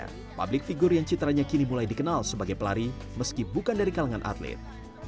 sebelumnya melihat figur figur yang citaranya kini mulai dikenal sebagai pelari meski bukan dari kalangan atlet